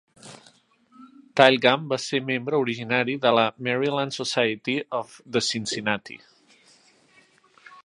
Tilghman va ser membre originari de la Maryland Society of the Cincinnati.